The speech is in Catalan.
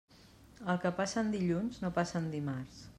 El que passa en dilluns no passa en dimarts.